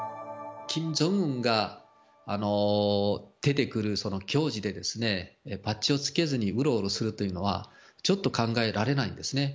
キム・ジョンウンが出てくる行事で、バッジをつけずにうろうろするというのは、ちょっと考えられないんですね。